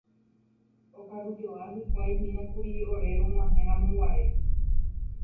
Okarujoa hikuái hína ore rog̃uahẽramoguare.